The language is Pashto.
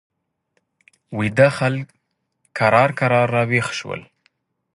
ویده خلک کرار کرار را ویښ شول.